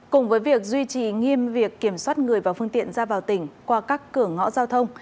cùng với việc duy trì nghiêm việc kiểm soát người và phương tiện ra vào tỉnh qua các cửa ngõ giao thông